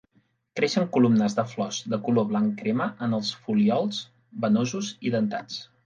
Creixen columnes de flors de color blanc-crema en els folíols venosos i dentats.